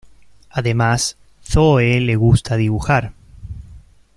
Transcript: Además, Zoë le gusta dibujar.